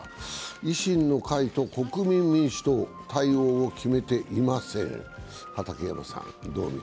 維新の会と国民民主党、対応を決めていません。